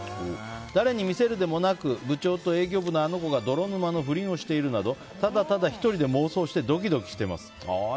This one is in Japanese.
誰に見せるでもなく部長と営業部のあの子が泥沼の不倫をしているなどただただ１人で妄想してドキドキしています。